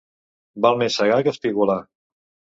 Val més segar que espigolar.